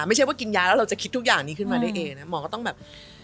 ไม่ใช่ว่ากินยาแล้วเราจะคิดทุกอย่างนี้ขึ้นมาได้เองนะหมอก็ต้องแบบ